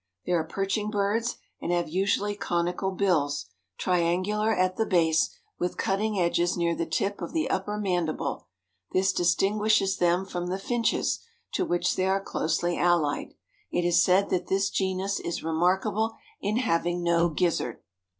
They are perching birds and have usually conical bills, triangular at the base, with cutting edges near the tip of the upper mandible: this distinguishes them from the finches, to which they are closely allied. It is said that this genus is remarkable in having no gizzard.